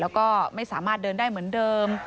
แล้วก็ไม่สามารถเดินได้เหมือนเดิม